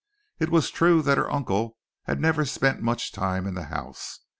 It was true that her uncle had never spent much time in the house.